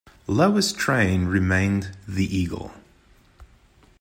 Louis train remained the "Eagle".